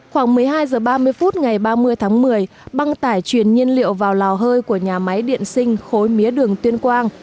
khoảng một mươi hai h ba mươi phút ngày ba mươi tháng một mươi băng tải truyền nhiên liệu vào lò hơi của nhà máy điện sinh khối mía đường tuyên quang